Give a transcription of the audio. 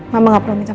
mama sudah senang